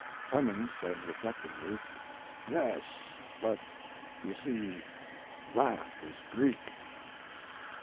Clemens said, reflectively: "Yes but you see that was Greek."